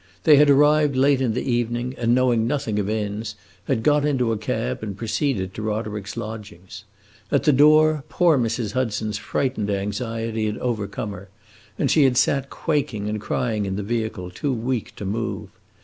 They had arrived late in the evening, and, knowing nothing of inns, had got into a cab and proceeded to Roderick's lodging. At the door, poor Mrs. Hudson's frightened anxiety had overcome her, and she had sat quaking and crying in the vehicle, too weak to move.